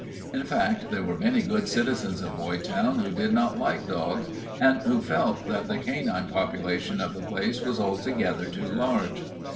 In fact, there were many good citizens of Boytown who did not like dogs and who felt that the canine population of the place was altogether too large.